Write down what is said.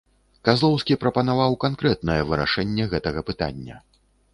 Казлоўскі прапанаваў канкрэтнае вырашэнне гэтага пытання.